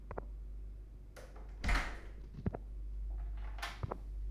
নাকি ইতোমধ্যেই হেগে ফেলেছিস?